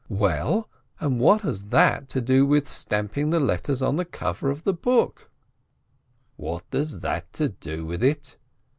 "Well, and what has that to do with stamping the letters on the cover of the book?" POVERTY 111 "What has that to do with it